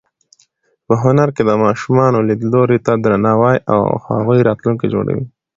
په هنر کې د ماشومانو لیدلوري ته درناوی د هغوی راتلونکی جوړوي.